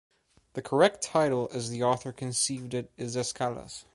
The correct tittle, as the author conceived it, is Escalas.